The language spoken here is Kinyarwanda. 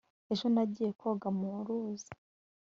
ejo nagiye koga mu ruzi